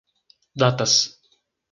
Datas